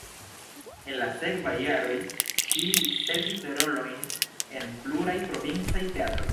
En la sekvaj jaroj ŝi ricevis rolojn en pluraj provincaj teatroj.